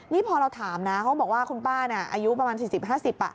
นี่พอเราถามนะเขาบอกว่าคุณป้าน่ะอายุประมาณ๔๐๕๐